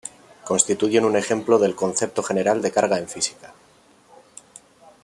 Constituyen un ejemplo del concepto general de carga en física.